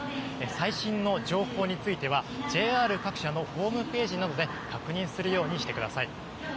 最新の情報についてはＪＲ各社のホームページなどで確認するようにしてください。